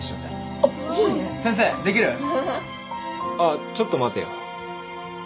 あっちょっと待てよ。